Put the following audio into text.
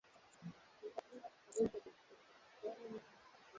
Khamis Fereji alikumbuka jinsi gani mnamo mwaka elfu moja mia tisa na kumi